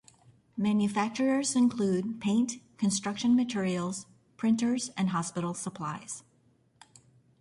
Manufacturers include paint, construction materials, printers, and hospital supplies.